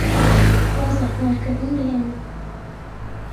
واز لە قومارکردن بهێنن.